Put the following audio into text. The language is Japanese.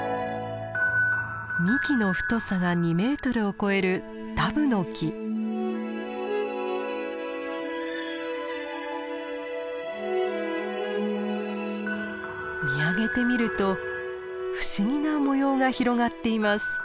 幹の太さが２メートルを超える見上げてみると不思議な模様が広がっています。